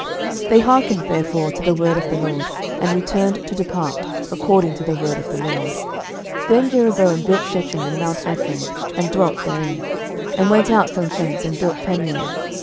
They hearkened therefore to the word of the LORD, and returned to depart, according to the word of the LORD. 11:012:025 Then Jeroboam built Shechem in mount Ephraim, and dwelt therein; and went out from thence, and built Penuel.